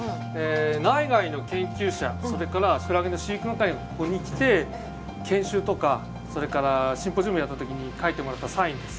内外の研究者それからクラゲの飼育係がここに来て研修とかそれからシンポジウムをやった時に書いてもらったサインです。